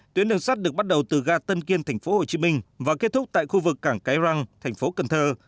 tuyến đường sát được bắt đầu từ ga tân kiên thành phố hồ chí minh và kết thúc tại khu vực cảng cai răng thành phố cần thơ